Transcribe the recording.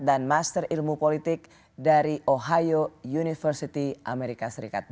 dan master ilmu politik dari ohio university amerika serikat